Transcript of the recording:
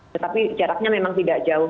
tetapi jaraknya memang tidak jauh